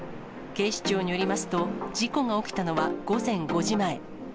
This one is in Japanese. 警視庁によりますと、事故が起きたのは午前５時前。